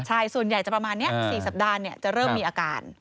ใช่ส่วนใหญ่จะประมาณนี้๔สัปดาห์จะเริ่มมีอาการ